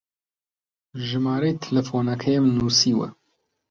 ژمارەی تەلەفۆنەکەیم نووسیوە.